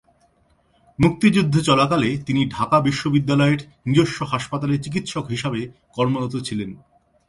মুক্তিযুদ্ধ চলাকালে তিনি ঢাকা বিশ্ববিদ্যালয়ের নিজস্ব হাসপাতালে চিকিৎসক হিসাবে কর্মরত ছিলেন।